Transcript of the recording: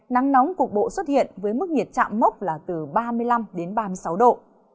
nắng nóng cục bộ xuất hiện với mức nhiệt chạm mốc là từ ba mươi năm đến ba mươi sáu độ